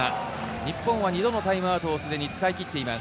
日本は２度のタイムアウトをすでに使い切っています。